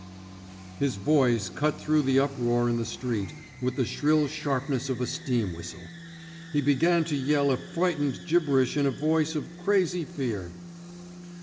'' His voice cut through the uproar in the street with the shrill sharpness of a steam whistle. He began to yell a frightened gib berish in a voice of crazy fear.